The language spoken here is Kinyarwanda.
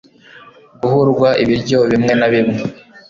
Guhurwa ibiryo bimwe na bimwe